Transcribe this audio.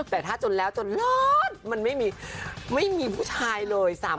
แต่ถ้าจนแล้วจนร้อนมันไม่มีผู้ชายเลย